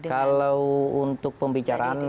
kalau untuk pembicaraan